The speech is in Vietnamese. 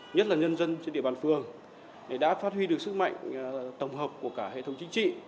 nhất là nhân dân trên địa bàn phường để đã phát huy được sức mạnh tổng hợp của cả hệ thống chính trị